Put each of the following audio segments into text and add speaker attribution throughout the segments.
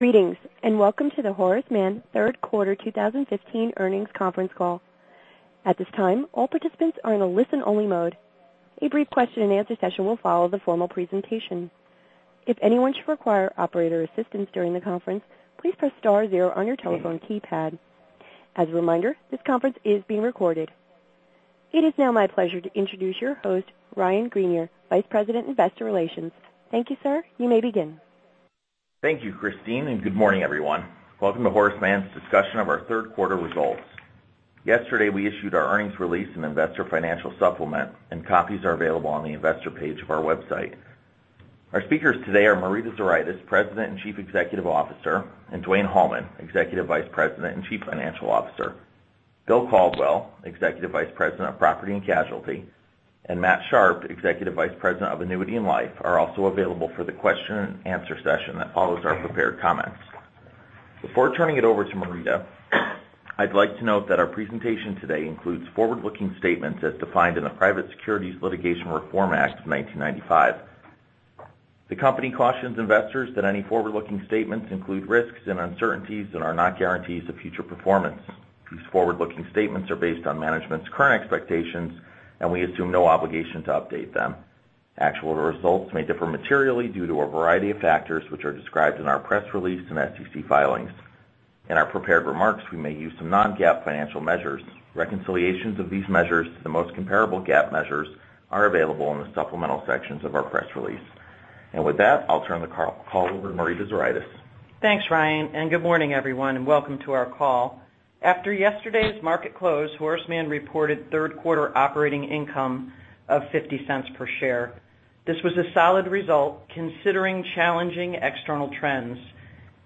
Speaker 1: Greetings. Welcome to the Horace Mann third quarter 2015 earnings conference call. At this time, all participants are in a listen-only mode. A brief question and answer session will follow the formal presentation. If anyone should require operator assistance during the conference, please press star zero on your telephone keypad. As a reminder, this conference is being recorded. It is now my pleasure to introduce your host, Ryan Greenier, Vice President, Investor Relations. Thank you, sir. You may begin.
Speaker 2: Thank you, Christine. Good morning, everyone. Welcome to Horace Mann's discussion of our third quarter results. Yesterday, we issued our earnings release and investor financial supplement, copies are available on the investor page of our website. Our speakers today are Marita Zuraitis, President and Chief Executive Officer, and Dwayne D. Hallman, Executive Vice President and Chief Financial Officer. Bill Caldwell, Executive Vice President of Property and Casualty, and Matt Sharpe, Executive Vice President of Annuity and Life, are also available for the question and answer session that follows our prepared comments. Before turning it over to Marita, I'd like to note that our presentation today includes forward-looking statements as defined in the Private Securities Litigation Reform Act of 1995. The company cautions investors that any forward-looking statements include risks and uncertainties and are not guarantees of future performance. These forward-looking statements are based on management's current expectations. We assume no obligation to update them. Actual results may differ materially due to a variety of factors, which are described in our press release and SEC filings. In our prepared remarks, we may use some non-GAAP financial measures. Reconciliations of these measures to the most comparable GAAP measures are available in the supplemental sections of our press release. With that, I'll turn the call over to Marita Zuraitis.
Speaker 3: Thanks, Ryan. Good morning, everyone, and welcome to our call. After yesterday's market close, Horace Mann reported third-quarter operating income of $0.50 per share. This was a solid result considering challenging external trends,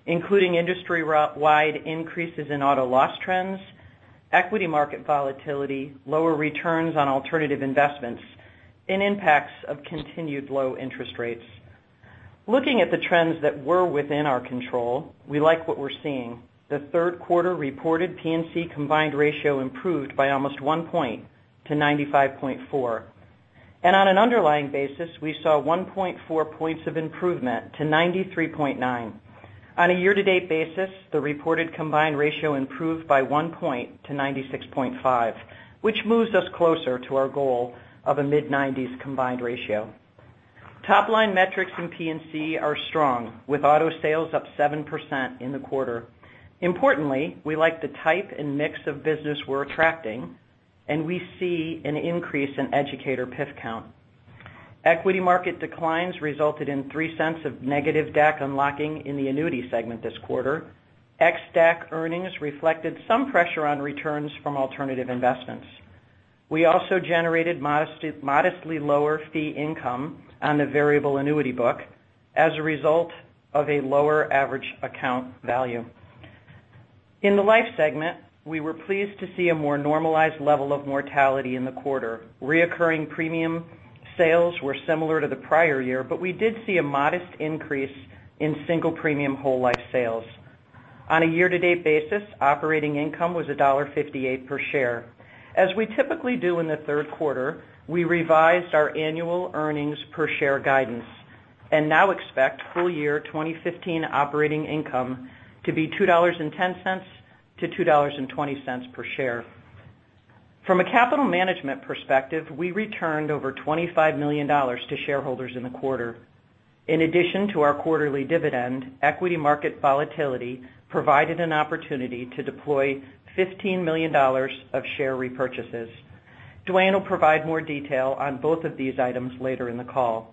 Speaker 3: including industry-wide increases in auto loss trends, equity market volatility, lower returns on alternative investments, and impacts of continued low interest rates. Looking at the trends that were within our control, we like what we're seeing. The third quarter reported P&C combined ratio improved by almost one point to 95.4. On an underlying basis, we saw 1.4 points of improvement to 93.9. On a year-to-date basis, the reported combined ratio improved by one point to 96.5, which moves us closer to our goal of a mid-90s combined ratio. Top-line metrics in P&C are strong, with auto sales up 7% in the quarter. Importantly, we like the type and mix of business we're attracting, and we see an increase in educator PIF count. Equity market declines resulted in $0.03 of negative DAC unlocking in the annuity segment this quarter. exDAC earnings reflected some pressure on returns from alternative investments. We also generated modestly lower fee income on the variable annuity book as a result of a lower average account value. In the life segment, we were pleased to see a more normalized level of mortality in the quarter. Reoccurring premium sales were similar to the prior year, but we did see a modest increase in single premium whole life sales. On a year-to-date basis, operating income was $1.58 per share. As we typically do in the third quarter, we revised our annual earnings per share guidance and now expect full year 2015 operating income to be $2.10-$2.20 per share. From a capital management perspective, we returned over $25 million to shareholders in the quarter. In addition to our quarterly dividend, equity market volatility provided an opportunity to deploy $15 million of share repurchases. Dwayne will provide more detail on both of these items later in the call.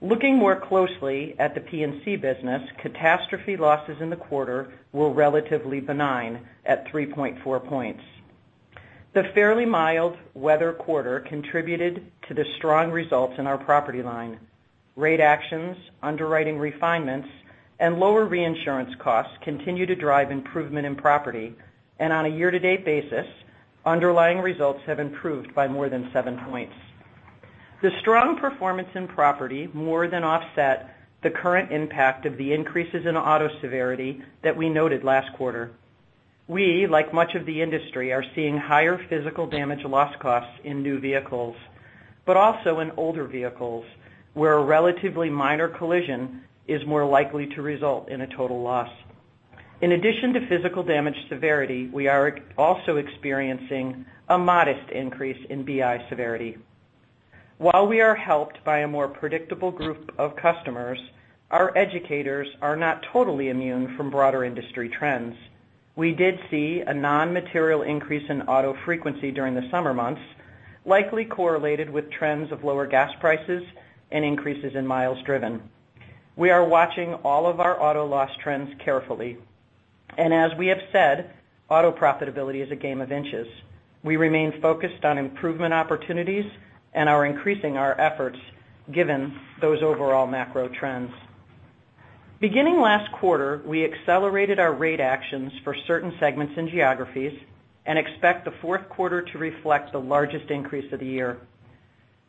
Speaker 3: Looking more closely at the P&C business, catastrophe losses in the quarter were relatively benign at 3.4 points. The fairly mild weather quarter contributed to the strong results in our property line. Rate actions, underwriting refinements, and lower reinsurance costs continue to drive improvement in property. On a year-to-date basis, underlying results have improved by more than seven points. The strong performance in property more than offset the current impact of the increases in auto severity that we noted last quarter. We, like much of the industry, are seeing higher physical damage loss costs in new vehicles, but also in older vehicles, where a relatively minor collision is more likely to result in a total loss. In addition to physical damage severity, we are also experiencing a modest increase in BI severity. While we are helped by a more predictable group of customers, our educators are not totally immune from broader industry trends. We did see a non-material increase in auto frequency during the summer months, likely correlated with trends of lower gas prices and increases in miles driven. We are watching all of our auto loss trends carefully. As we have said, auto profitability is a game of inches. We remain focused on improvement opportunities and are increasing our efforts given those overall macro trends. Beginning last quarter, we accelerated our rate actions for certain segments and geographies and expect the fourth quarter to reflect the largest increase of the year.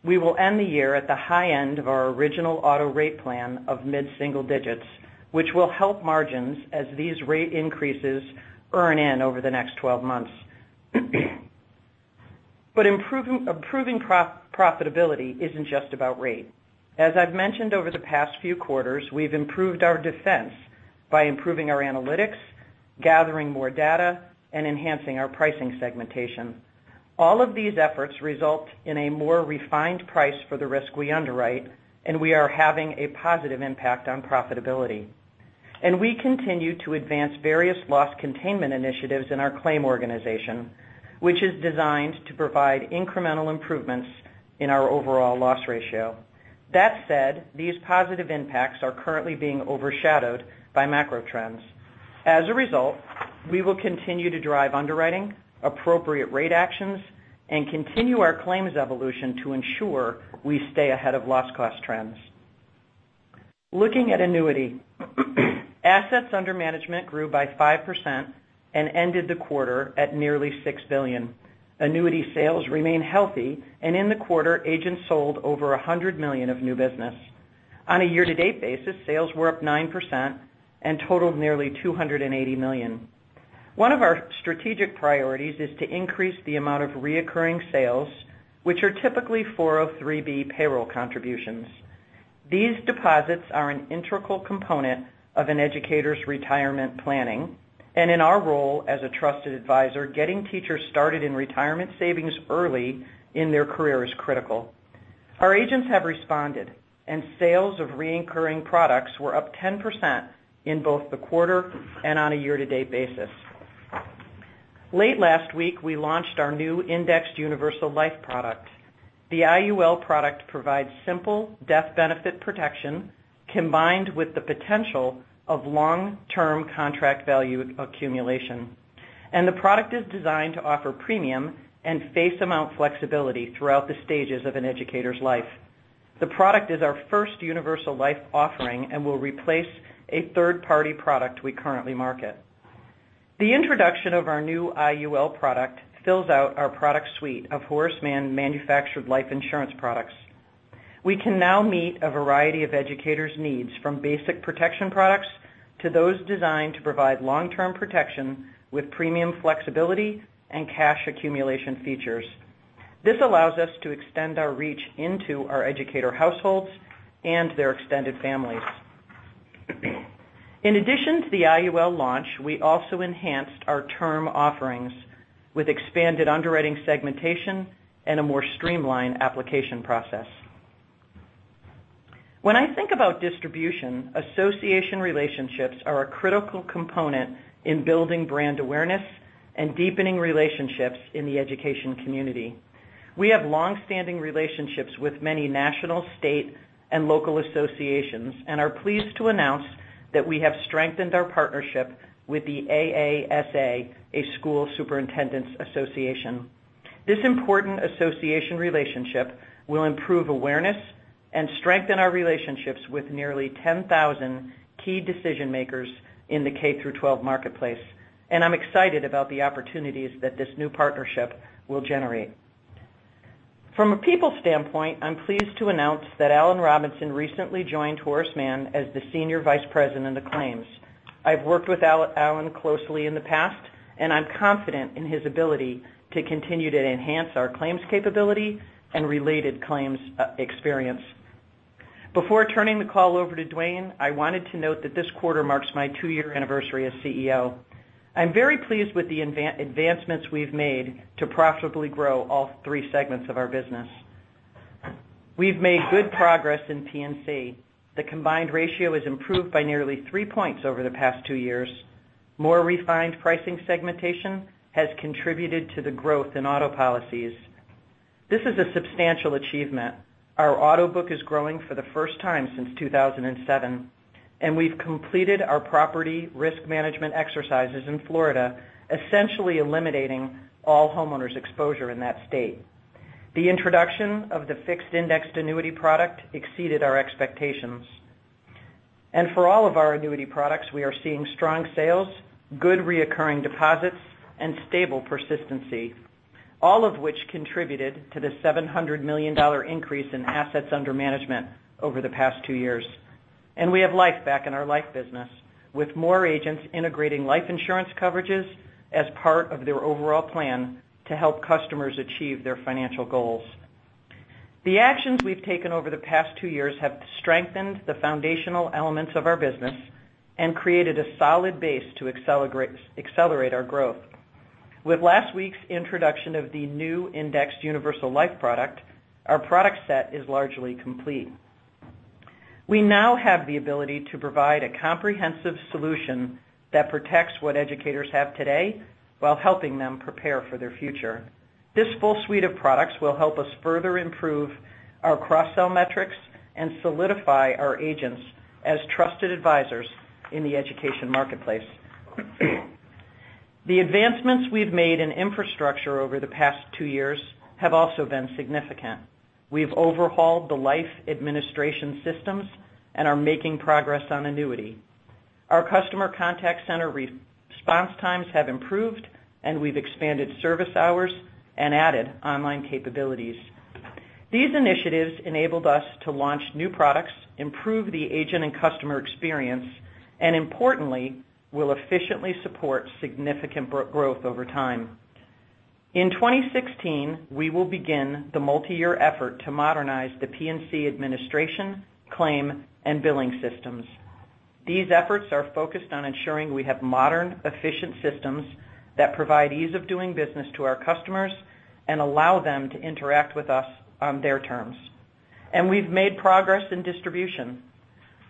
Speaker 3: We will end the year at the high end of our original auto rate plan of mid-single digits, which will help margins as these rate increases earn in over the next 12 months. Improving profitability isn't just about rate. As I've mentioned over the past few quarters, we've improved our defense by improving our analytics, gathering more data, and enhancing our pricing segmentation. All of these efforts result in a more refined price for the risk we underwrite, and we are having a positive impact on profitability. We continue to advance various loss containment initiatives in our claim organization, which is designed to provide incremental improvements in our overall loss ratio. That said, these positive impacts are currently being overshadowed by macro trends. As a result, we will continue to drive underwriting, appropriate rate actions, and continue our claims evolution to ensure we stay ahead of loss cost trends. Looking at annuity, assets under management grew by 5% and ended the quarter at nearly $6 billion. Annuity sales remain healthy, and in the quarter, agents sold over $100 million of new business. On a year-to-date basis, sales were up 9% and totaled nearly $280 million. One of our strategic priorities is to increase the amount of reoccurring sales, which are typically 403(b) payroll contributions. These deposits are an integral component of an educator's retirement planning, and in our role as a trusted advisor, getting teachers started in retirement savings early in their career is critical. Our agents have responded, and sales of reoccurring products were up 10% in both the quarter and on a year-to-date basis. Late last week, we launched our new indexed universal life product. The IUL product provides simple death benefit protection, combined with the potential of long-term contract value accumulation. The product is designed to offer premium and face amount flexibility throughout the stages of an educator's life. The product is our first universal life offering and will replace a third-party product we currently market. The introduction of our new IUL product fills out our product suite of Horace Mann manufactured life insurance products. We can now meet a variety of educators' needs, from basic protection products to those designed to provide long-term protection with premium flexibility and cash accumulation features. This allows us to extend our reach into our educator households and their extended families. In addition to the IUL launch, we also enhanced our term offerings with expanded underwriting segmentation and a more streamlined application process. When I think about distribution, association relationships are a critical component in building brand awareness and deepening relationships in the education community. We have longstanding relationships with many national, state, and local associations and are pleased to announce that we have strengthened our partnership with the AASA, The School Superintendents Association. This important association relationship will improve awareness and strengthen our relationships with nearly 10,000 key decision-makers in the K-12 marketplace, and I'm excited about the opportunities that this new partnership will generate. From a people standpoint, I'm pleased to announce that Allan Robinson recently joined Horace Mann as the Senior Vice President of Claims. I've worked with Allan closely in the past, and I'm confident in his ability to continue to enhance our claims capability and related claims experience. Before turning the call over to Dwayne, I wanted to note that this quarter marks my two-year anniversary as CEO. I'm very pleased with the advancements we've made to profitably grow all three segments of our business. We've made good progress in P&C. The combined ratio has improved by nearly three points over the past two years. More refined pricing segmentation has contributed to the growth in auto policies. This is a substantial achievement. Our auto book is growing for the first time since 2007, and we've completed our property risk management exercises in Florida, essentially eliminating all homeowners exposure in that state. The introduction of the fixed indexed annuity product exceeded our expectations. For all of our annuity products, we are seeing strong sales, good recurring deposits, and stable persistency, all of which contributed to the $700 million increase in assets under management over the past two years. We have life back in our life business, with more agents integrating life insurance coverages as part of their overall plan to help customers achieve their financial goals. The actions we've taken over the past two years have strengthened the foundational elements of our business and created a solid base to accelerate our growth. With last week's introduction of the new indexed universal life product, our product set is largely complete. We now have the ability to provide a comprehensive solution that protects what educators have today while helping them prepare for their future. This full suite of products will help us further improve our cross-sell metrics and solidify our agents as trusted advisors in the education marketplace. The advancements we've made in infrastructure over the past two years have also been significant. We've overhauled the life administration systems and are making progress on annuity. Our customer contact center response times have improved, and we've expanded service hours and added online capabilities. These initiatives enabled us to launch new products, improve the agent and customer experience, and importantly, will efficiently support significant growth over time. In 2016, we will begin the multi-year effort to modernize the P&C administration, claim, and billing systems. These efforts are focused on ensuring we have modern, efficient systems that provide ease of doing business to our customers and allow them to interact with us on their terms. We've made progress in distribution.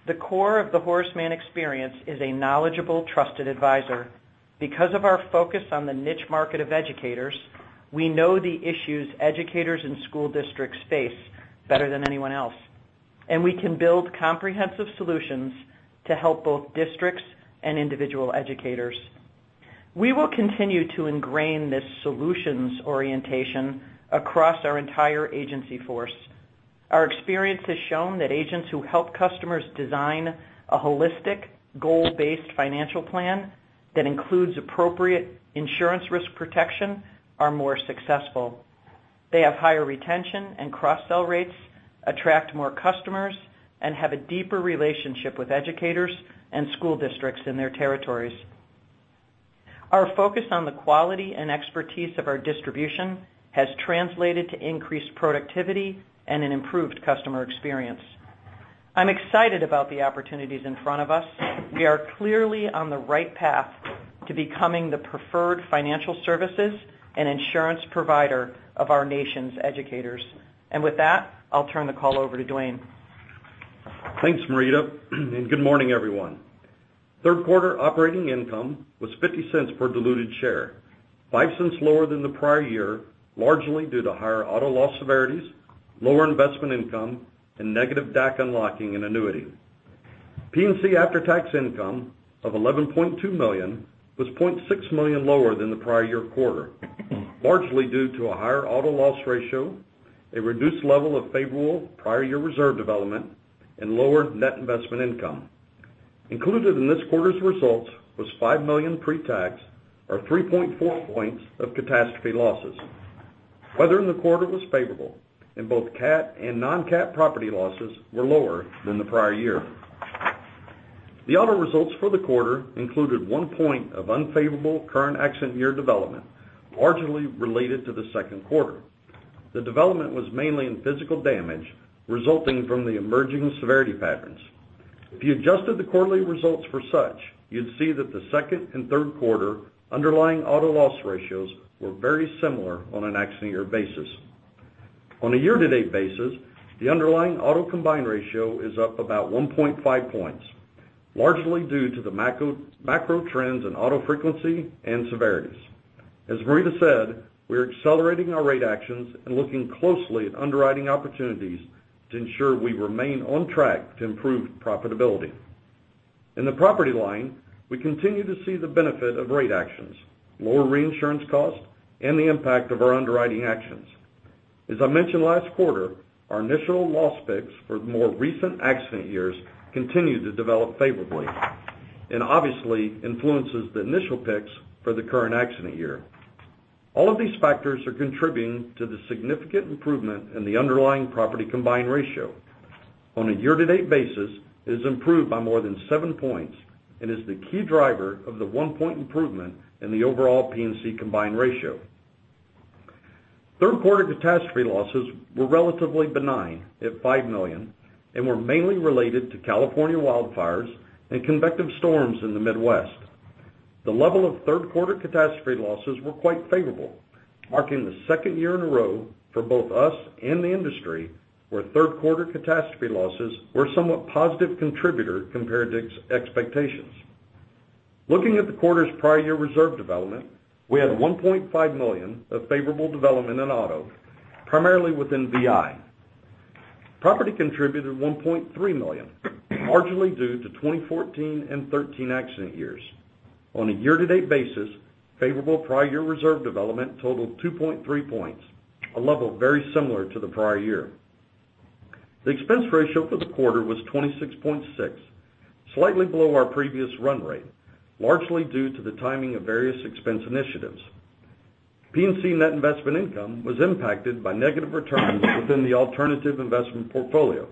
Speaker 3: The core of the Horace Mann experience is a knowledgeable, trusted advisor. Because of our focus on the niche market of educators, we know the issues educators and school districts face better than anyone else, and we can build comprehensive solutions to help both districts and individual educators. We will continue to ingrain this solutions orientation across our entire agency force. Our experience has shown that agents who help customers design a holistic, goal-based financial plan that includes appropriate insurance risk protection are more successful. They have higher retention and cross-sell rates, attract more customers, and have a deeper relationship with educators and school districts in their territories. Our focus on the quality and expertise of our distribution has translated to increased productivity and an improved customer experience. I'm excited about the opportunities in front of us. We are clearly on the right path to becoming the preferred financial services and insurance provider of our nation's educators. With that, I'll turn the call over to Dwayne.
Speaker 4: Thanks, Marita. Good morning, everyone. Third quarter operating income was $0.50 per diluted share, $0.05 lower than the prior year, largely due to higher auto loss severities, lower investment income, and negative DAC unlocking in Annuity. P&C after-tax income of $11.2 million was $0.6 million lower than the prior year quarter, largely due to a higher auto loss ratio, a reduced level of favorable prior year reserve development, and lower net investment income. Included in this quarter's results was $5 million pretax, or 3.4 points of catastrophe losses. Weather in the quarter was favorable, and both cat and non-cat property losses were lower than the prior year. The auto results for the quarter included one point of unfavorable current accident year development, largely related to the second quarter. The development was mainly in physical damage resulting from the emerging severity patterns. If you adjusted the quarterly results for such, you'd see that the second and third quarter underlying auto loss ratios were very similar on an accident year basis. On a year-to-date basis, the underlying auto combined ratio is up about 1.5 points, largely due to the macro trends in auto frequency and severities. As Marita said, we are accelerating our rate actions and looking closely at underwriting opportunities to ensure we remain on track to improve profitability. In the property line, we continue to see the benefit of rate actions, lower reinsurance cost, and the impact of our underwriting actions. As I mentioned last quarter, our initial loss picks for more recent accident years continue to develop favorably and obviously influences the initial picks for the current accident year. All of these factors are contributing to the significant improvement in the underlying property combined ratio. On a year-to-date basis, it has improved by more than seven points and is the key driver of the one-point improvement in the overall P&C combined ratio. Third quarter catastrophe losses were relatively benign at $5 million and were mainly related to California wildfires and convective storms in the Midwest. The level of third quarter catastrophe losses were quite favorable, marking the second year in a row for both us and the industry where third quarter catastrophe losses were somewhat positive contributor compared to expectations. Looking at the quarter's prior year reserve development, we had $1.5 million of favorable development in auto, primarily within BI. Property contributed $1.3 million, largely due to 2014 and 2013 accident years. On a year-to-date basis, favorable prior year reserve development totaled 2.3 points, a level very similar to the prior year. The expense ratio for the quarter was 26.6%, slightly below our previous run rate, largely due to the timing of various expense initiatives. P&C net investment income was impacted by negative returns within the alternative investment portfolio,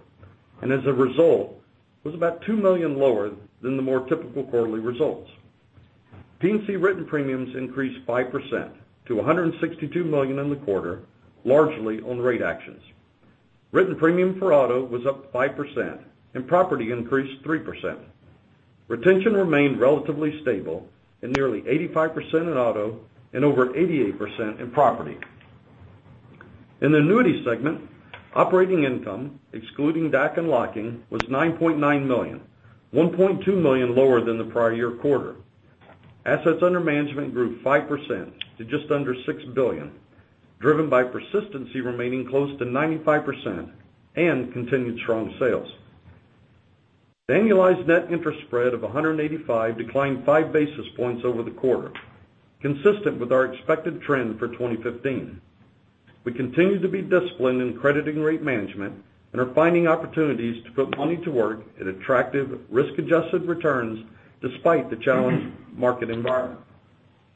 Speaker 4: and as a result, was about $2 million lower than the more typical quarterly results. P&C written premiums increased 5% to $162 million in the quarter, largely on rate actions. Written premium for auto was up 5%, and property increased 3%. Retention remained relatively stable at nearly 85% in auto and over 88% in property. In the Annuity segment, operating income, excluding DAC unlocking, was $9.9 million, $1.2 million lower than the prior year quarter. Assets under management grew 5% to just under $6 billion, driven by persistency remaining close to 95% and continued strong sales. The annualized net interest spread of 185 declined five basis points over the quarter, consistent with our expected trend for 2015. We continue to be disciplined in crediting rate management and are finding opportunities to put money to work at attractive risk-adjusted returns despite the challenging market environment.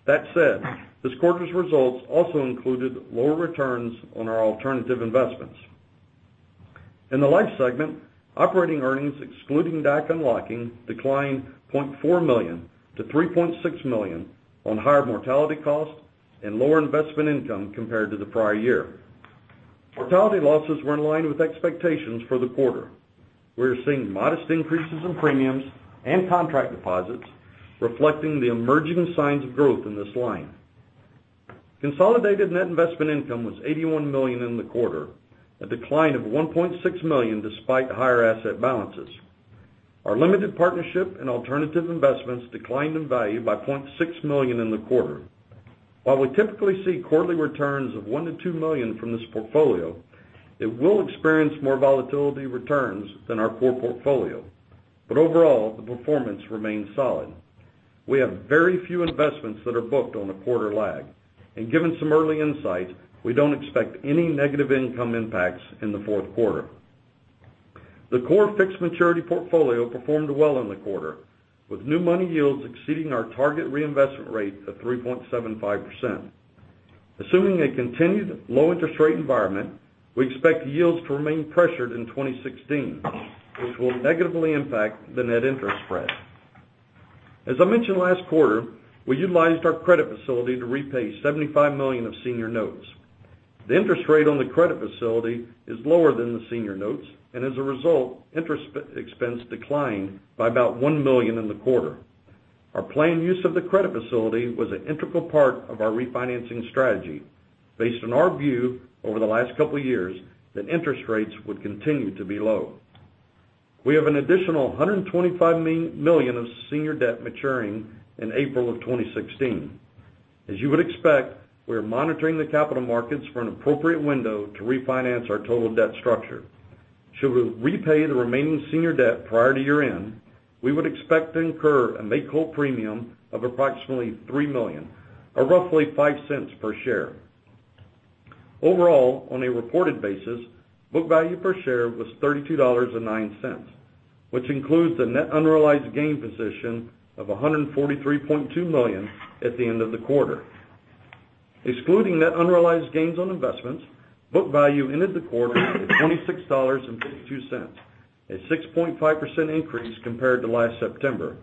Speaker 4: That said, this quarter's results also included lower returns on our alternative investments. In the life segment, operating earnings excluding DAC unlocking declined $0.4 million to $3.6 million on higher mortality costs and lower investment income compared to the prior year. Mortality losses were in line with expectations for the quarter. We are seeing modest increases in premiums and contract deposits reflecting the emerging signs of growth in this line. Consolidated net investment income was $81 million in the quarter, a decline of $1.6 million despite higher asset balances. Our limited partnership and alternative investments declined in value by $0.6 million in the quarter. While we typically see quarterly returns of $1 million to $2 million from this portfolio, it will experience more volatility returns than our core portfolio. Overall, the performance remains solid. We have very few investments that are booked on a quarter lag, and given some early insight, we don't expect any negative income impacts in the fourth quarter. The core fixed maturity portfolio performed well in the quarter, with new money yields exceeding our target reinvestment rate of 3.75%. Assuming a continued low interest rate environment, we expect yields to remain pressured in 2016, which will negatively impact the net interest spread. As I mentioned last quarter, we utilized our credit facility to repay $75 million of senior notes. The interest rate on the credit facility is lower than the senior notes. As a result, interest expense declined by about $1 million in the quarter. Our planned use of the credit facility was an integral part of our refinancing strategy, based on our view over the last couple of years that interest rates would continue to be low. We have an additional $125 million of senior debt maturing in April of 2016. As you would expect, we are monitoring the capital markets for an appropriate window to refinance our total debt structure. Should we repay the remaining senior debt prior to year-end, we would expect to incur a make-whole premium of approximately $3 million, or roughly $0.05 per share. Overall, on a reported basis, book value per share was $32.09, which includes a net unrealized gain position of $143.2 million at the end of the quarter. Excluding net unrealized gains on investments, book value ended the quarter at $26.52, a 6.5% increase compared to last September.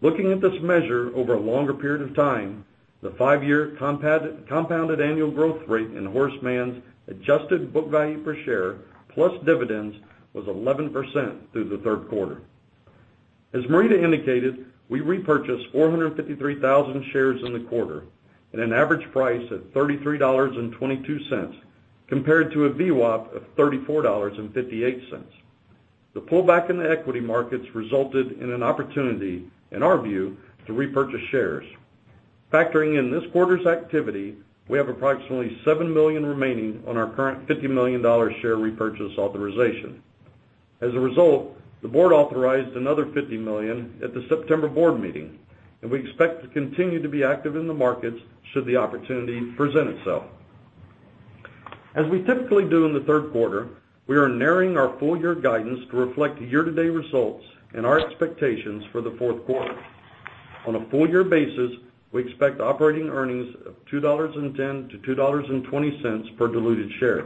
Speaker 4: Looking at this measure over a longer period of time, the five-year compounded annual growth rate in Horace Mann's adjusted book value per share, plus dividends, was 11% through the third quarter. As Marita indicated, we repurchased 453,000 shares in the quarter at an average price of $33.22, compared to a VWAP of $34.58. The pullback in the equity markets resulted in an opportunity, in our view, to repurchase shares. Factoring in this quarter's activity, we have approximately 7 million remaining on our current $50 million share repurchase authorization. As a result, the board authorized another $50 million at the September board meeting. We expect to continue to be active in the markets should the opportunity present itself. As we typically do in the third quarter, we are narrowing our full year guidance to reflect year-to-date results and our expectations for the fourth quarter. On a full year basis, we expect operating earnings of $2.10 to $2.20 per diluted share.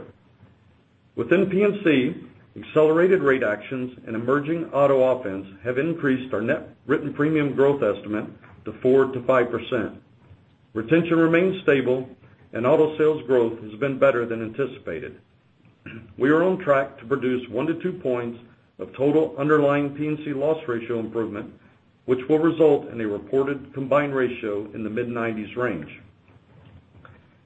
Speaker 4: Within P&C, accelerated rate actions and emerging Auto IQ have increased our net written premium growth estimate to 4%-5%. Retention remains stable and auto sales growth has been better than anticipated. We are on track to produce one to two points of total underlying P&C loss ratio improvement, which will result in a reported combined ratio in the mid-90s range.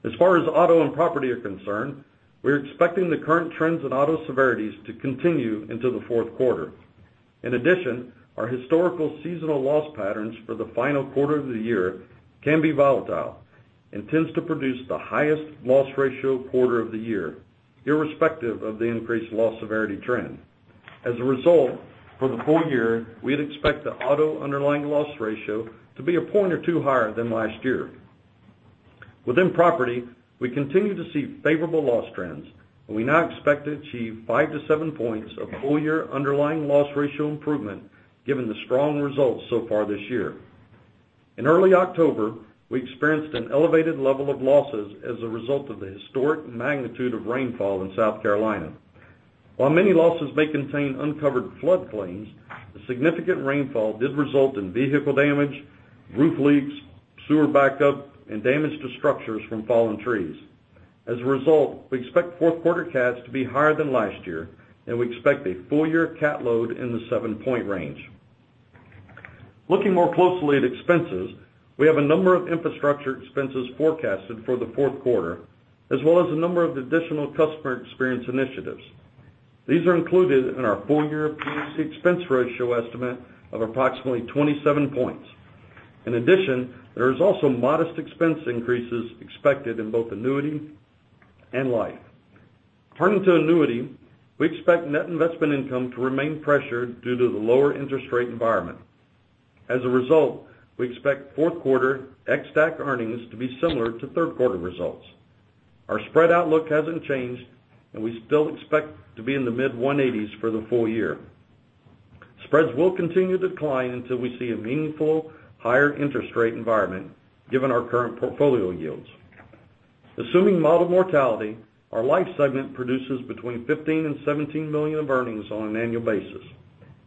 Speaker 4: As far as auto and property are concerned, we are expecting the current trends in auto severities to continue into the fourth quarter. Our historical seasonal loss patterns for the final quarter of the year can be volatile and tends to produce the highest loss ratio quarter of the year, irrespective of the increased loss severity trend. For the full year, we would expect the auto underlying loss ratio to be a point or two higher than last year. Within property, we continue to see favorable loss trends, and we now expect to achieve five to seven points of full-year underlying loss ratio improvement given the strong results so far this year. In early October, we experienced an elevated level of losses as a result of the historic magnitude of rainfall in South Carolina. While many losses may contain uncovered flood claims, the significant rainfall did result in vehicle damage, roof leaks, sewer backup, and damage to structures from fallen trees. We expect fourth quarter cats to be higher than last year, and we expect a full-year cat load in the seven-point range. Looking more closely at expenses, we have a number of infrastructure expenses forecasted for the fourth quarter, as well as a number of additional customer experience initiatives. These are included in our full-year P&C expense ratio estimate of approximately 27 points. There is also modest expense increases expected in both annuity and life. Turning to annuity, we expect net investment income to remain pressured due to the lower interest rate environment. We expect fourth quarter ex-DAC earnings to be similar to third quarter results. Our spread outlook hasn't changed, and we still expect to be in the mid-180s for the full year. Spreads will continue to decline until we see a meaningful higher interest rate environment, given our current portfolio yields. Assuming model mortality, our life segment produces between $15 million and $17 million of earnings on an annual basis.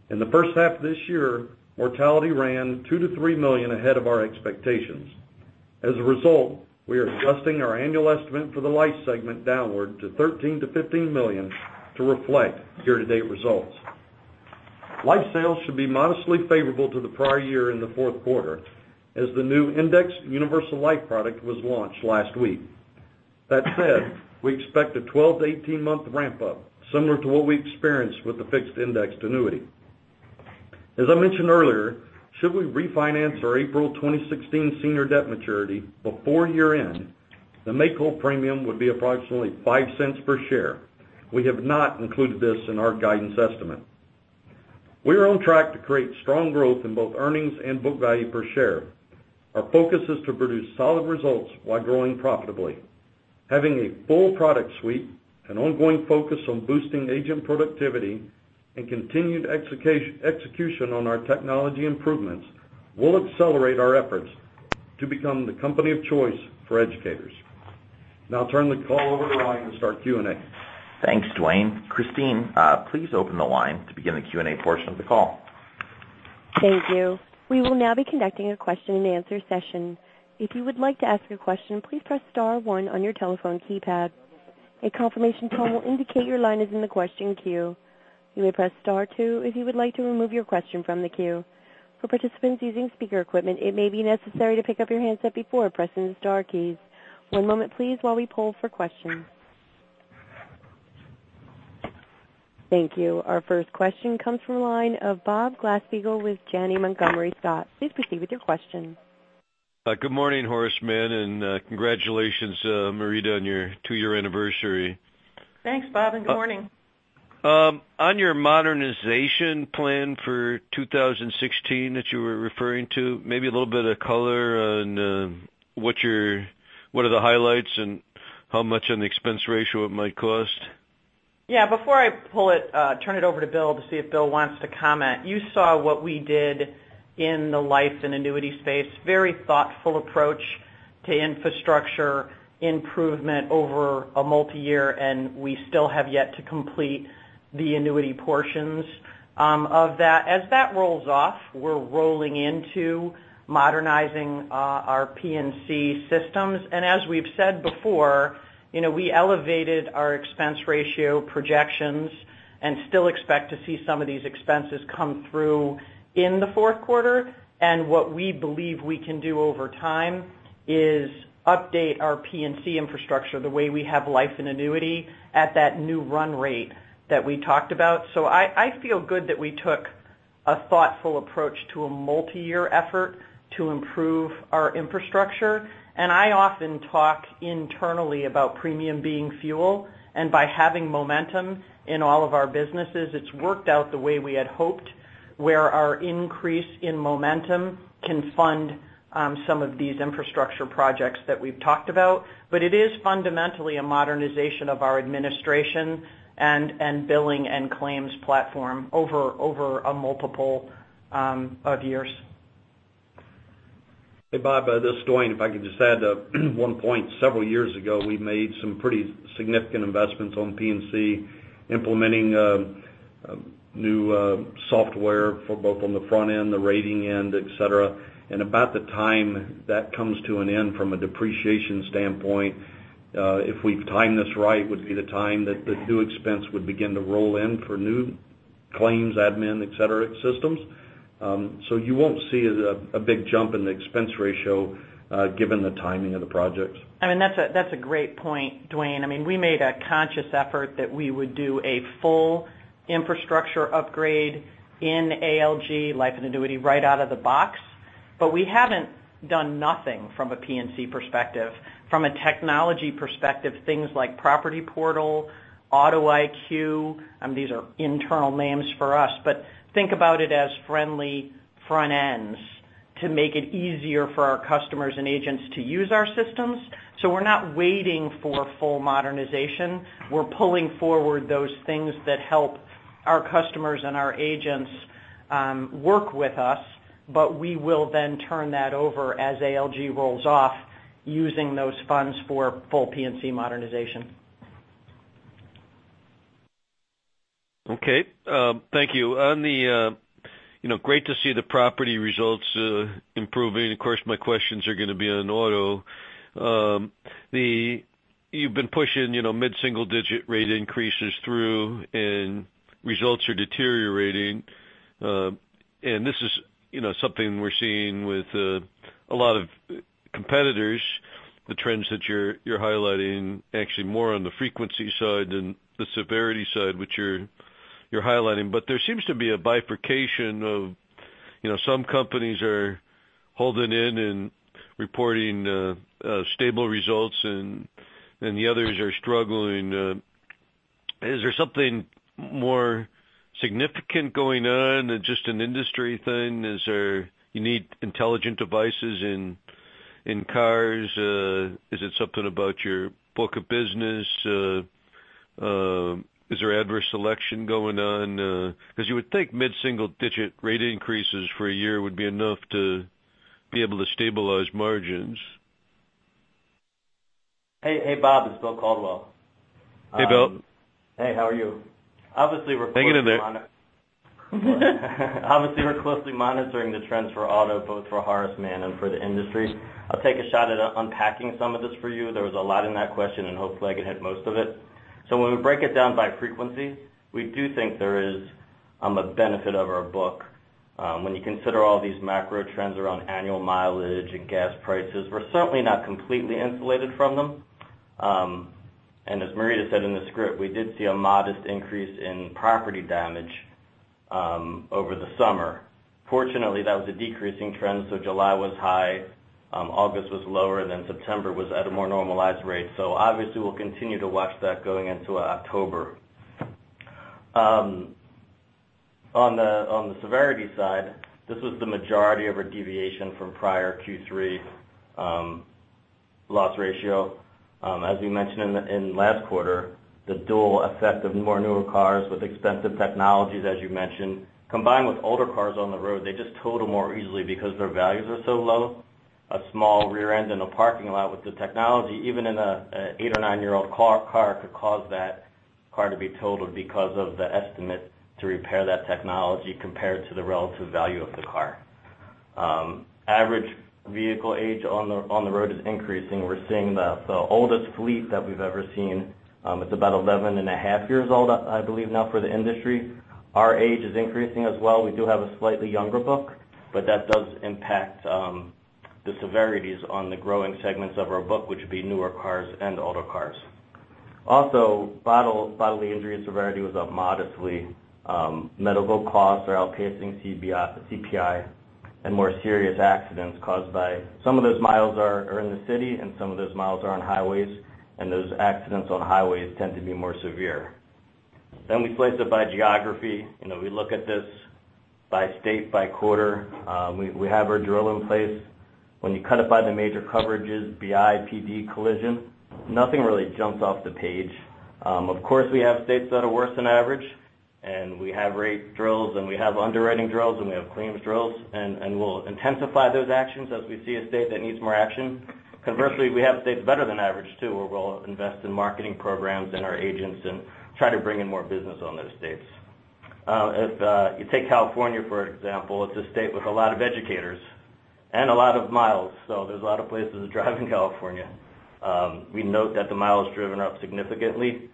Speaker 4: In the first half of this year, mortality ran $2 million to $3 million ahead of our expectations. We are adjusting our annual estimate for the life segment downward to $13 million to $15 million to reflect year-to-date results. Life sales should be modestly favorable to the prior year in the fourth quarter, as the new indexed universal life product was launched last week. That said, we expect a 12-18 month ramp-up, similar to what we experienced with the fixed indexed annuity. As I mentioned earlier, should we refinance our April 2016 senior debt maturity before year-end, the make-whole premium would be approximately $0.05 per share. We have not included this in our guidance estimate. We are on track to create strong growth in both earnings and book value per share. Our focus is to produce solid results while growing profitably. Having a full product suite, an ongoing focus on boosting agent productivity, and continued execution on our technology improvements will accelerate our efforts to become the company of choice for educators. Now I'll turn the call over to Ryan to start Q&A.
Speaker 2: Thanks, Dwayne. Christine, please open the line to begin the Q&A portion of the call.
Speaker 1: Thank you. We will now be conducting a question and answer session. If you would like to ask a question, please press *1 on your telephone keypad. A confirmation tone will indicate your line is in the question queue. You may press *2 if you would like to remove your question from the queue. For participants using speaker equipment, it may be necessary to pick up your handset before pressing the star keys. One moment please while we poll for questions. Thank you. Our first question comes from the line of Bob Glasspiegel with Janney Montgomery Scott. Please proceed with your question.
Speaker 5: Good morning, Horace Mann, and congratulations, Marita, on your two-year anniversary.
Speaker 3: Thanks, Bob. Good morning.
Speaker 5: On your modernization plan for 2016 that you were referring to, maybe a little bit of color on what are the highlights and how much on the expense ratio it might cost?
Speaker 3: Yeah. Before I turn it over to Bill to see if Bill wants to comment, you saw what we did in the life and annuity space. Very thoughtful approach to infrastructure improvement over a multi-year, and we still have yet to complete the annuity portions of that. As that rolls off, we're rolling into modernizing our P&C systems. As we've said before, we elevated our expense ratio projections and still expect to see some of these expenses come through in the fourth quarter. What we believe we can do over time is update our P&C infrastructure the way we have life and annuity at that new run rate that we talked about. I feel good that we took a thoughtful approach to a multi-year effort to improve our infrastructure. I often talk internally about premium being fuel and by having momentum in all of our businesses, it's worked out the way we had hoped, where our increase in momentum can fund some of these infrastructure projects that we've talked about. It is fundamentally a modernization of our administration and billing and claims platform over a multiple of years.
Speaker 4: Hey, Bob, this is Dwayne. If I could just add one point. Several years ago, we made some pretty significant investments on P&C, implementing new software for both on the front end, the rating end, et cetera. About the time that comes to an end from a depreciation standpoint, if we've timed this right, would be the time that the new expense would begin to roll in for new claims, admin, et cetera, systems. You won't see a big jump in the expense ratio, given the timing of the projects.
Speaker 3: That's a great point, Dwayne. We made a conscious effort that we would do a full infrastructure upgrade in ALG life and annuity right out of the box. We haven't done nothing from a P&C perspective. From a technology perspective, things like Property Portal, Auto IQ, these are internal names for us. Think about it as friendly front ends to make it easier for our customers and agents to use our systems. We're not waiting for full modernization. We're pulling forward those things that help our customers and our agents work with us. We will then turn that over as ALG rolls off using those funds for full P&C modernization.
Speaker 5: Okay. Thank you. Great to see the property results improving. Of course, my questions are going to be on auto. You've been pushing mid-single-digit rate increases through, results are deteriorating. This is something we're seeing with a lot of competitors, the trends that you're highlighting, actually more on the frequency side than the severity side, which you're highlighting. There seems to be a bifurcation of some companies are holding in and reporting stable results, and the others are struggling. Is there something more significant going on than just an industry thing? You need intelligent devices in cars, is it something about your book of business? Is there adverse selection going on? Because you would think mid-single-digit rate increases for a year would be enough to be able to stabilize margins.
Speaker 6: Hey, Bob. It's William Caldwell.
Speaker 5: Hey, Bill.
Speaker 6: Hey, how are you?
Speaker 5: Hanging in there.
Speaker 6: Obviously, we're closely monitoring the trends for auto, both for Horace Mann and for the industry. I'll take a shot at unpacking some of this for you. There was a lot in that question. Hopefully I can hit most of it. When we break it down by frequency, we do think there is a benefit of our book. When you consider all these macro trends around annual mileage and gas prices, we're certainly not completely insulated from them. As Marita said in the script, we did see a modest increase in property damage over the summer. Fortunately, that was a decreasing trend. July was high, August was lower. September was at a more normalized rate. Obviously, we'll continue to watch that going into October. On the severity side, this was the majority of our deviation from prior Q3 loss ratio. As we mentioned in the last quarter, the dual effect of more newer cars with expensive technologies, as you mentioned, combined with older cars on the road, they just total more easily because their values are so low. A small rear end in a parking lot with the technology, even in an eight or nine-year-old car, could cause that car to be totaled because of the estimate to repair that technology compared to the relative value of the car. Average vehicle age on the road is increasing. We're seeing the oldest fleet that we've ever seen. It's about 11 and a half years old, I believe now for the industry. Our age is increasing as well. We do have a slightly younger book, but that does impact the severities on the growing segments of our book, which would be newer cars and older cars. Also, bodily injury severity was up modestly. Medical costs are outpacing CPI and more serious accidents. Some of those miles are in the city, and some of those miles are on highways, and those accidents on highways tend to be more severe. We slice it by geography. We look at this by state, by quarter. We have our drill in place. When you cut it by the major coverages, BI, PD, collision, nothing really jumps off the page. Of course, we have states that are worse than average, and we have rate drills, and we have underwriting drills, and we have claims drills, and we'll intensify those actions as we see a state that needs more action. Conversely, we have states better than average too, where we'll invest in marketing programs and our agents and try to bring in more business on those states. If you take California, for example, it's a state with a lot of educators and a lot of miles, so there's a lot of places to drive in California. We note that the miles driven are up significantly.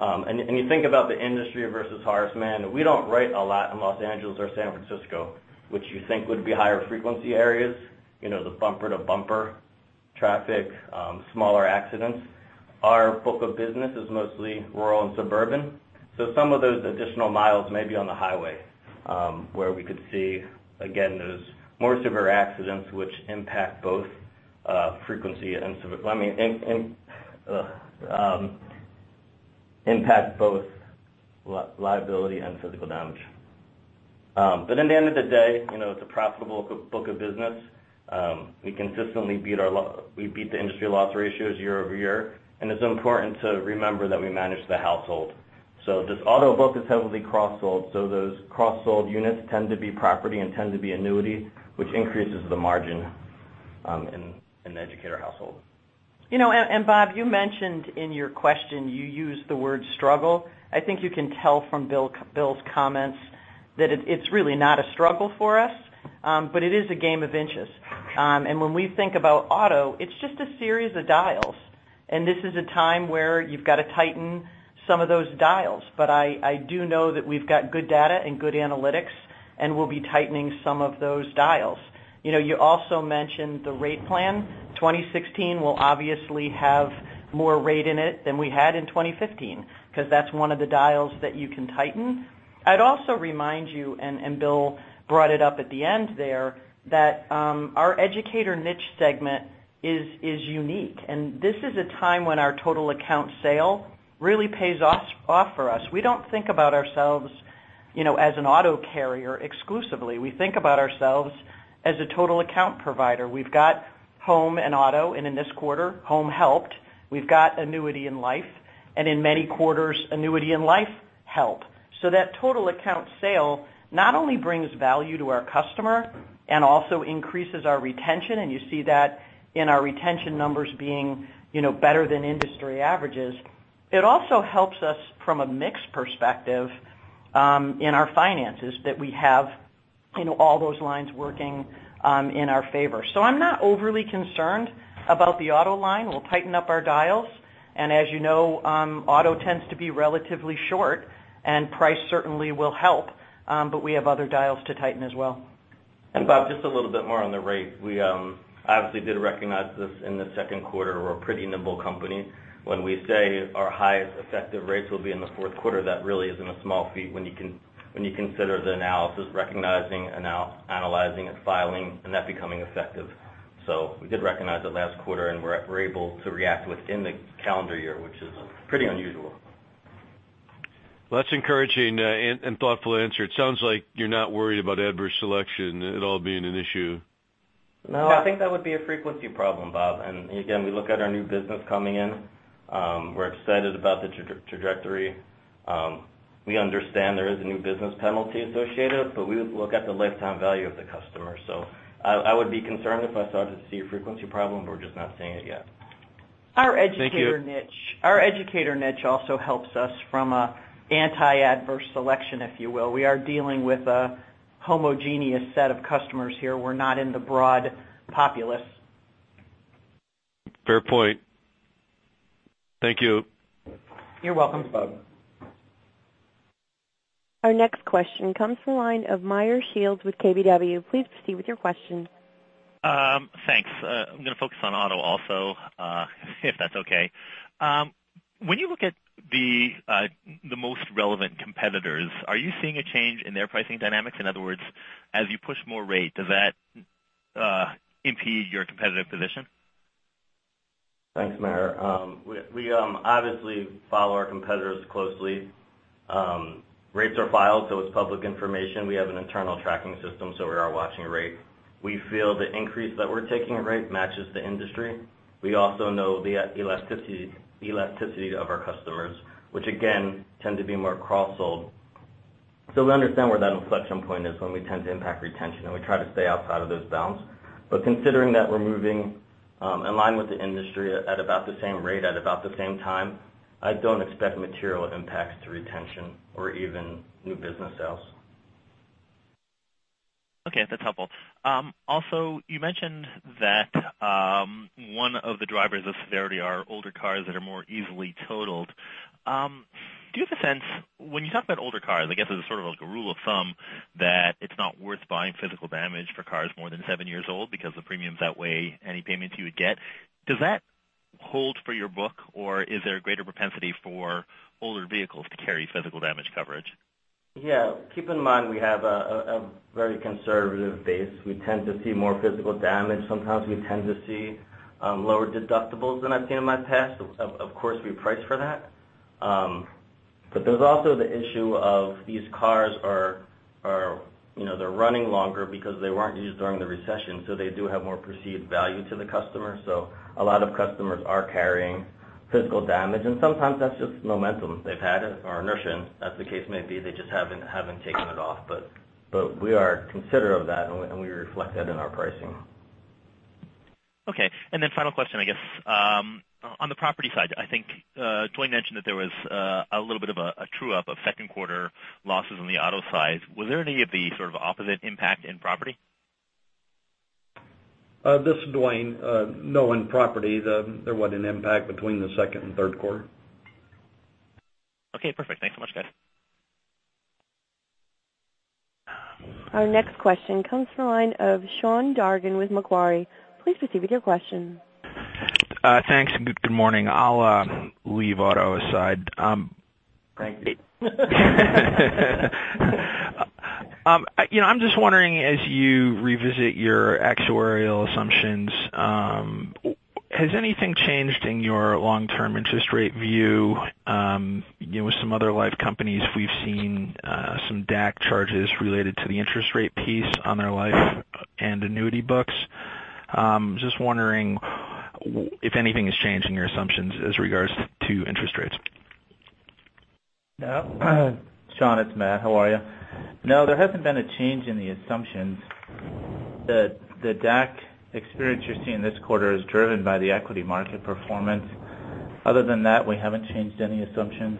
Speaker 6: You think about the industry versus Horace Mann. We don't write a lot in Los Angeles or San Francisco, which you think would be higher frequency areas. The bumper-to-bumper traffic, smaller accidents. Our book of business is mostly rural and suburban. Some of those additional miles may be on the highway, where we could see, again, those more severe accidents which impact both liability and physical damage. In the end of the day, it's a profitable book of business. We consistently beat the industry loss ratios year-over-year, and it's important to remember that we manage the household. This auto book is heavily cross-sold, so those cross-sold units tend to be property and tend to be annuity, which increases the margin in the educator household.
Speaker 3: Bob, you mentioned in your question, you used the word struggle. I think you can tell from Bill's comments that it's really not a struggle for us. It is a game of inches. When we think about auto, it's just a series of dials, and this is a time where you've got to tighten some of those dials. I do know that we've got good data and good analytics, and we'll be tightening some of those dials. You also mentioned the rate plan. 2016 will obviously have more rate in it than we had in 2015, because that's one of the dials that you can tighten. I'd also remind you, and Bill brought it up at the end there, that our educator niche segment is unique, and this is a time when our total account sale really pays off for us. We don't think about ourselves as an auto carrier exclusively. We think about ourselves as a total account provider. We've got home and auto, and in this quarter, home helped. We've got annuity and life, and in many quarters, annuity and life help. That total account sale not only brings value to our customer and also increases our retention, and you see that in our retention numbers being better than industry averages. It also helps us from a mix perspective in our finances that we have all those lines working in our favor. I'm not overly concerned about the auto line. We'll tighten up our dials, and as you know, auto tends to be relatively short, and price certainly will help, but we have other dials to tighten as well.
Speaker 6: Bob, just a little bit more on the rate. We obviously did recognize this in the second quarter. We're a pretty nimble company. When we say our highest effective rates will be in the fourth quarter, that really isn't a small feat when you consider the analysis, recognizing, analyzing, and filing, and that becoming effective. We did recognize it last quarter, and we're able to react within the calendar year, which is pretty unusual.
Speaker 5: Well, that's encouraging and thoughtful answer. It sounds like you're not worried about adverse selection at all being an issue.
Speaker 6: I think that would be a frequency problem, Bob. Again, we look at our new business coming in. We're excited about the trajectory. We understand there is a new business penalty associated, we look at the lifetime value of the customer. I would be concerned if I started to see a frequency problem, we're just not seeing it yet.
Speaker 5: Thank you.
Speaker 3: Our educator niche also helps us from a anti-adverse selection, if you will. We are dealing with a homogeneous set of customers here. We're not in the broad populace.
Speaker 5: Fair point. Thank you.
Speaker 3: You're welcome, Bob.
Speaker 1: Our next question comes from the line of Meyer Shields with KBW. Please proceed with your question.
Speaker 7: Thanks. I'm going to focus on auto also, if that's okay. When you look at the most relevant competitors, are you seeing a change in their pricing dynamics? In other words, as you push more rate, does that impede your competitive position?
Speaker 6: Thanks, Meyer. We obviously follow our competitors closely. Rates are filed, so it's public information. We have an internal tracking system, so we are watching rate. We feel the increase that we're taking in rate matches the industry. We also know the elasticity of our customers, which again, tend to be more cross-sold. We understand where that inflection point is when we tend to impact retention, and we try to stay outside of those bounds. Considering that we're moving in line with the industry at about the same rate at about the same time, I don't expect material impacts to retention or even new business sales.
Speaker 7: That's helpful. You mentioned that one of the drivers of severity are older cars that are more easily totaled. Do you have the sense when you talk about older cars, I guess as a sort of like a rule of thumb, that it's not worth buying physical damage for cars more than seven years old because the premiums outweigh any payments you would get. Does that hold for your book, or is there a greater propensity for older vehicles to carry physical damage coverage?
Speaker 6: Yeah. Keep in mind, we have a very conservative base. We tend to see more physical damage sometimes. We tend to see lower deductibles than I've seen in my past. Of course, we price for that. There's also the issue of these cars, they're running longer because they weren't used during the recession, so they do have more perceived value to the customer. A lot of customers are carrying physical damage, and sometimes that's just momentum they've had or inertia, as the case may be. They just haven't taken it off. We are considerate of that, and we reflect that in our pricing.
Speaker 7: Okay. Final question, I guess. On the property side, I think Dwayne mentioned that there was a little bit of a true-up of second quarter losses on the auto side. Was there any of the sort of opposite impact in property?
Speaker 4: This is Dwayne. In property, there wasn't an impact between the second and third quarter.
Speaker 7: Okay, perfect. Thanks so much, guys.
Speaker 1: Our next question comes from the line of Sean Dargan with Macquarie. Please proceed with your question.
Speaker 8: Thanks. Good morning. I'll leave auto aside.
Speaker 6: Thank you.
Speaker 8: I'm just wondering, as you revisit your actuarial assumptions, has anything changed in your long-term interest rate view? With some other life companies, we've seen some DAC charges related to the interest rate piece on their life and annuity books. Just wondering if anything has changed in your assumptions as regards to interest rates.
Speaker 9: Sean, it's Matt. How are you? There hasn't been a change in the assumptions. The DAC experience you're seeing this quarter is driven by the equity market performance. Other than that, we haven't changed any assumptions.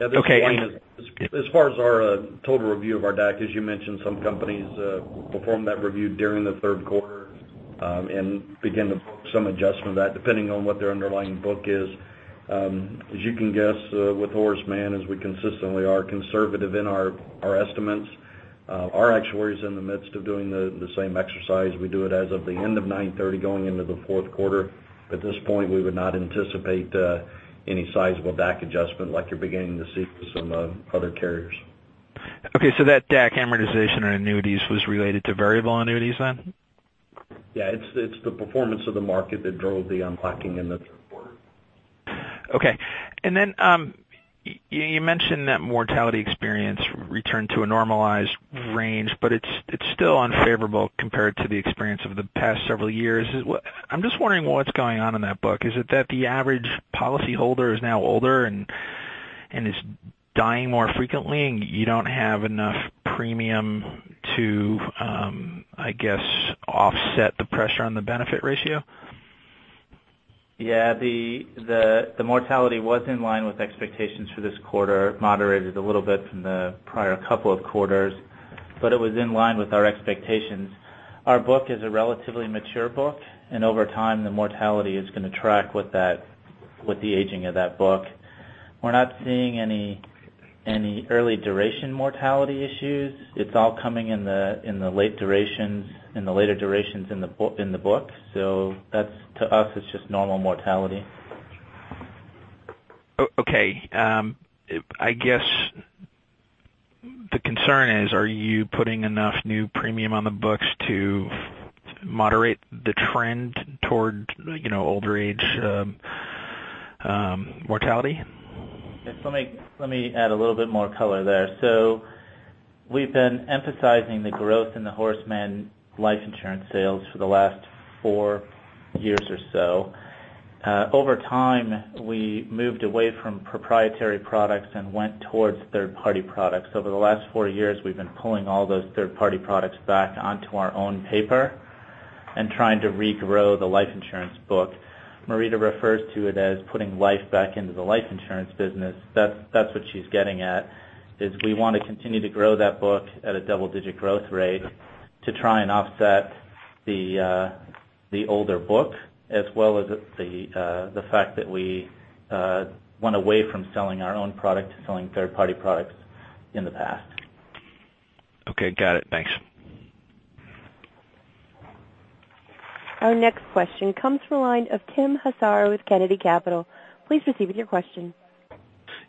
Speaker 8: Okay.
Speaker 4: As far as our total review of our DAC, as you mentioned, some companies perform that review during the third quarter. Begin to book some adjustment of that depending on what their underlying book is. As you can guess, with Horace Mann, as we consistently are conservative in our estimates. Our actuary's in the midst of doing the same exercise. We do it as of the end of 9/30 going into the fourth quarter. At this point, we would not anticipate any sizable DAC adjustment like you're beginning to see for some other carriers.
Speaker 8: Okay. That DAC amortization on annuities was related to variable annuities then?
Speaker 9: Yeah. It's the performance of the market that drove the unpacking in the third quarter.
Speaker 8: Okay. You mentioned that mortality experience returned to a normalized range, but it's still unfavorable compared to the experience over the past several years. I'm just wondering what's going on in that book. Is it that the average policyholder is now older and is dying more frequently, and you don't have enough premium to, I guess, offset the pressure on the benefit ratio?
Speaker 9: Yeah. The mortality was in line with expectations for this quarter, moderated a little bit from the prior couple of quarters, but it was in line with our expectations. Our book is a relatively mature book, and over time, the mortality is going to track with the aging of that book. We're not seeing any early duration mortality issues. It's all coming in the later durations in the book. That to us, it's just normal mortality.
Speaker 8: Okay. I guess the concern is, are you putting enough new premium on the books to moderate the trend towards older age mortality?
Speaker 9: Let me add a little bit more color there. We've been emphasizing the growth in the Horace Mann life insurance sales for the last four years or so. Over time, we moved away from proprietary products and went towards third-party products. Over the last four years, we've been pulling all those third-party products back onto our own paper and trying to regrow the life insurance book. Marita refers to it as putting life back into the life insurance business. That's what she's getting at, is we want to continue to grow that book at a double-digit growth rate to try and offset the older book, as well as the fact that we went away from selling our own product to selling third-party products in the past.
Speaker 8: Okay, got it. Thanks.
Speaker 1: Our next question comes from the line of Tim Hasara with Kennedy Capital. Please proceed with your question.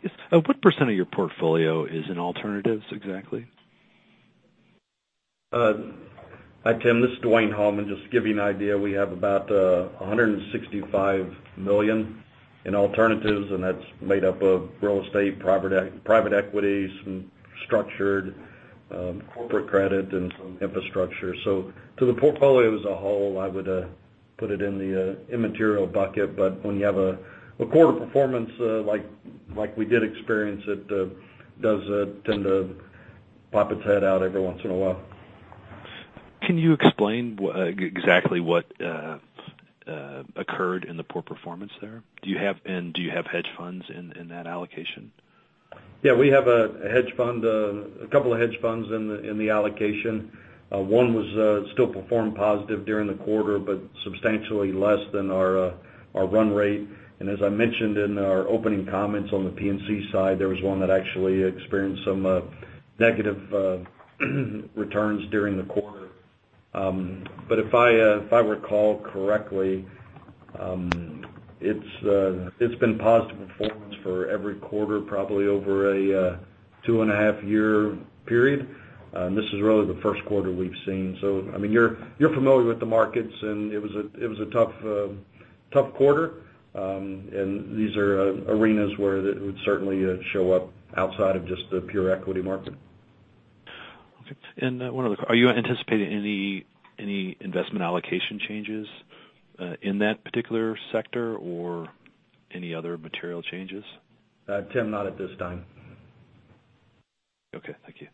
Speaker 10: Yes. What % of your portfolio is in alternatives, exactly?
Speaker 4: Hi, Tim, this is Dwayne Hallman. Just to give you an idea, we have about $165 million in alternatives, that's made up of real estate, private equity, some structured corporate credit, and some infrastructure. To the portfolio as a whole, I would put it in the immaterial bucket, when you have a quarter performance like we did experience, it does tend to pop its head out every once in a while.
Speaker 10: Can you explain exactly what occurred in the poor performance there? Do you have hedge funds in that allocation?
Speaker 4: We have a couple of hedge funds in the allocation. One still performed positive during the quarter, substantially less than our run rate. As I mentioned in our opening comments on the P&C side, there was one that actually experienced some negative returns during the quarter. If I recall correctly, it's been positive performance for every quarter, probably over a two-and-a-half-year period. This is really the first quarter we've seen. You're familiar with the markets, it was a tough quarter. These are arenas where it would certainly show up outside of just the pure equity market.
Speaker 10: Okay. One other. Are you anticipating any investment allocation changes in that particular sector or any other material changes?
Speaker 4: Tim, not at this time.
Speaker 10: Okay, thank you.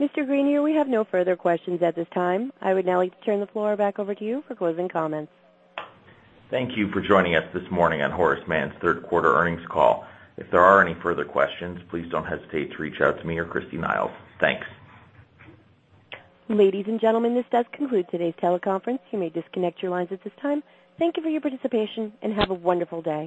Speaker 1: Mr. Greenier, we have no further questions at this time. I would now like to turn the floor back over to you for closing comments.
Speaker 2: Thank you for joining us this morning on Horace Mann's third quarter earnings call. If there are any further questions, please don't hesitate to reach out to me or Christy Niles. Thanks.
Speaker 1: Ladies and gentlemen, this does conclude today's teleconference. You may disconnect your lines at this time. Thank you for your participation, and have a wonderful day.